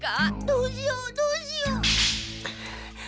どうしようどうしよう！